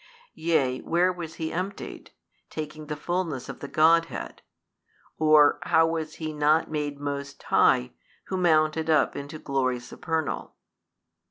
yea where was he emptied, taking the fulness of the Godhead? or how was he not made most high who mounted up into glory supernal?